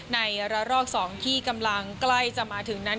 ในระลอก๒ที่กำลังใกล้จะมาถึงนั้น